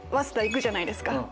行くじゃないですか。